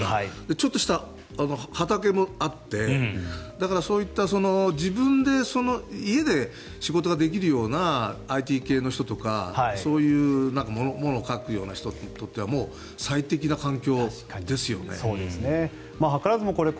ちょっとした畑もあってだから、そういった自分で家で仕事ができるようなＩＴ系の人とかそういうものを書くような人にとってはもう最適な環境ですよね。